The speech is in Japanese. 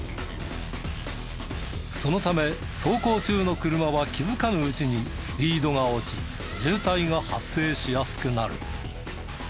そのため走行中の車は気づかぬうちにスピードが落ち渋滞が発生しやすくなる。